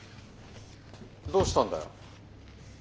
どうしたんだよ？